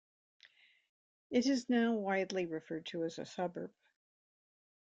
It is now widely referred to as a suburb.